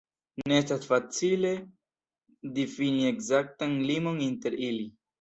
Ne estas facile difini ekzaktan limon inter ili.